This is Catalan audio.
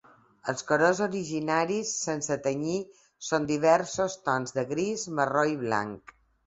Els colors originaris, sense tenyir, són diversos tons de gris, marró i blanc.